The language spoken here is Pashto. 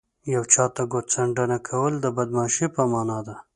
یو چاته ګوت څنډنه کول د بدماشۍ په مانا ده